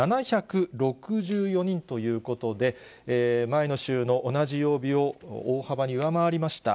４７６４人ということで、前の週の同じ曜日を大幅に上回りました。